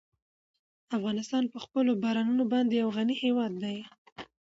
افغانستان په خپلو بارانونو باندې یو غني هېواد دی.